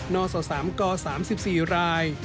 นศ๓ก๓๔ราย